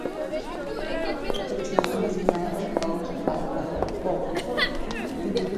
The team is currently coached by Will Bolt.